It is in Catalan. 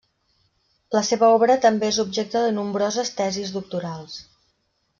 La seva obra també és objecte de nombroses tesis doctorals.